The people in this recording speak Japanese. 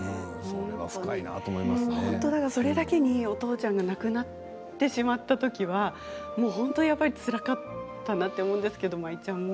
それだけにお父ちゃんが亡くなってしまった時には本当につらかったなと思うんですけれど。